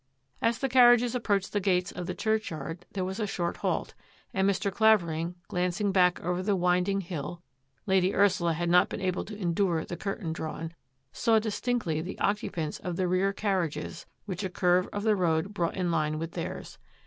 As the carriages approached the gates of the churchyard there was a short halt, and Mr. Claver ing, glancing back over the winding hill — Lady Ursula had not been able to endure the curtain drawn — saw distinctly the occupants of the rear carriages, which a curve of the road brought in line with theirs.